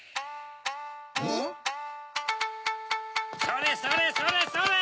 それそれそれそれ！